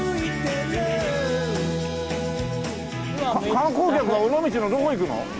観光客は尾道のどこ行くの？